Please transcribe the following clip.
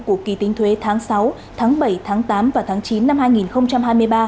của kỳ tính thuế tháng sáu tháng bảy tháng tám và tháng chín năm hai nghìn hai mươi ba